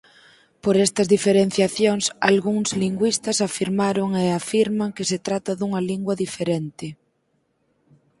Por estas diferenciacións algúns lingüistas afirmaron e afirman que se trata dunha lingua diferente.